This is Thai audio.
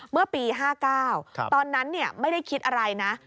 เมื่อปี๕๙ตอนนั้นไม่ได้คิดอะไรนะ